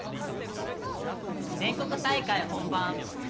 全国大会本番。